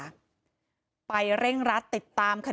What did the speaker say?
เหตุการณ์เกิดขึ้นแถวคลองแปดลำลูกกา